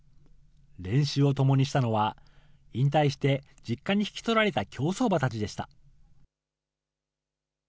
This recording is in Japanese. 練習を共にしたのは、引退して実家に引き取られた競走馬たちでした。